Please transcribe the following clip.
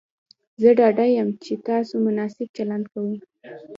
زه ډاډه یم چې تاسو مناسب چلند کوئ.